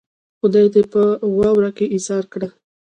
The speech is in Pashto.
خدای دې په واورو کې ايسار کړه.